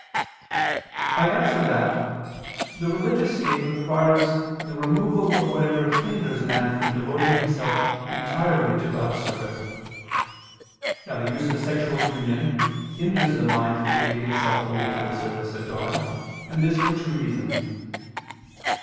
I answer that, The religious state requires the removal of whatever hinders man from devoting himself entirely to God's service. Now the use of sexual union hinders the mind from giving itself wholly to the service of God, and this for two reasons.